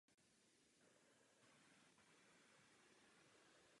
Na zádi nesl záchranný člun.